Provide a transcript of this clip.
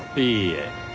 いいえ。